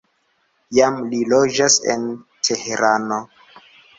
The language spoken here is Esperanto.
Jam li loĝas en Teherano.